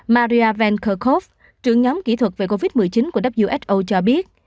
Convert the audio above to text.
maria van kerkhove trưởng nhóm kỹ thuật về covid một mươi chín của who cho biết